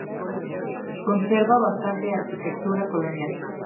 Conserva bastante arquitectura colonial.